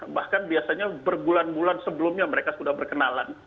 bahkan biasanya berbulan bulan sebelumnya mereka sudah berkenalan